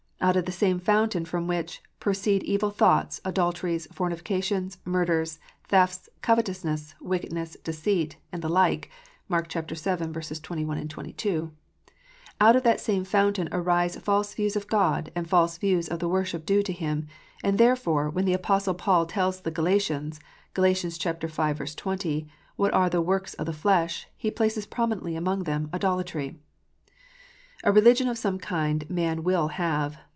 Out of the same fountain from which " proceed evil thoughts, adulteries, fornications, murders, thefts, covetousness, wickedness, deceit," and the like (Mark vii. 21, 22), out of that same fountain arise false views of God, and false views of the worship due to Him; and therefore, when the Apostle Paul tells the Galatians (Gal. v. 20) what are the "works of the flesh," he places prominently among them "idolatry." A religion of some kind man will have.